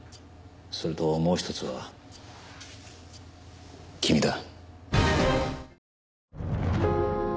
それともう一つは君だ。